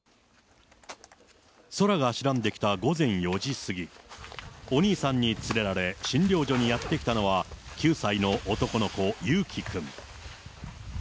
空が白んできた午前４時過ぎ、お兄さんに連れられ、診療所にやって来たのは９歳の男の子、ゆうき君。